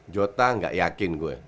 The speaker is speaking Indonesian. jota gak yakin gue